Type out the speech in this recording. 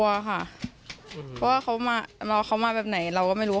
เพราะว่าเขามาเขามาแบบไหนเราก็ไม่รู้